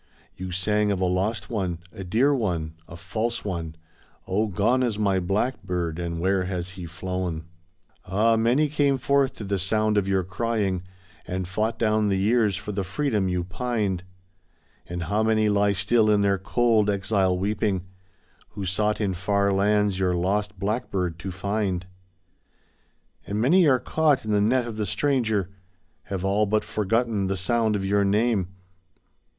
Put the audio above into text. You sang of a lost one, a dear one, a false one — ^Oh, gone is my blackbird, and where has he flown?' THE SAD YEARS OURSELVES ALONE (Continued) "Ah ! many came forth to the sound of your crying, And fought down the years for the freedom you pined. How many lie still, in their cold exile sleeping, Who sought in far lands your lost blackbird to find? "And many are caught in the net of the stranger — Have all but forgotten the sound of your name.